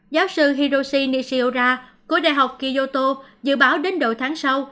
giáo sư hiroshi nishiura của đại học kyoto dự báo đến đầu tháng sau